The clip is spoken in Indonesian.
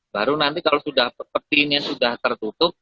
baru nanti kalau sudah peti ini sudah tertutup